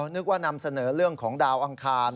นึกว่านำเสนอเรื่องของดาวอังคาร